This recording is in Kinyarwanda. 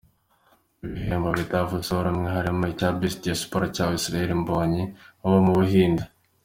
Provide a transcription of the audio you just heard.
Ibihembo bitavuzweho rumwe harimo icya Best Diaspora cyahawe Israel Mbonyi uba mu Buhinde.